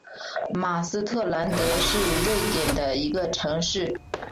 马斯特兰德是瑞典的一座城市。